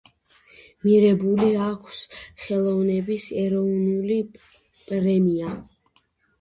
მირებული აქვს ხელოვნების ეროვნული პრემია.